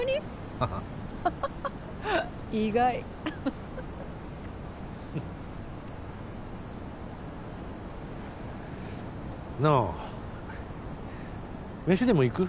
ああ意外なあ飯でも行く？